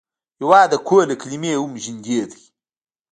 هېواد د کور له کلمې هم نږدې دی.